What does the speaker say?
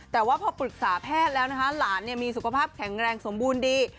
แต่ว่าพอปรึกษาแพทย์แล้วนะคะหลานมีสุขภาพแข็งแรงสมบูรณ์ดี